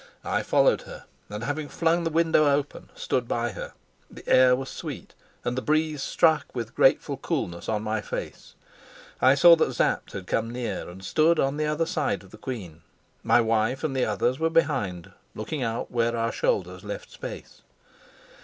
I followed her, and, having flung the window open, stood by her. The air was sweet, and the breeze struck with grateful coolness on my face. I saw that Sapt had come near and stood on the other side of the queen. My wife and the others were behind, looking out where our shoulders left space.